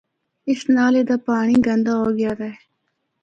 اس نالے دا پانڑی گندا ہو گیا دا اے۔